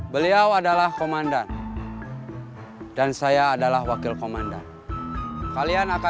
baris baris baris